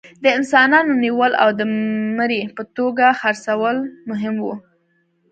د انسانانو نیول او د مري په توګه خرڅول مهم وو.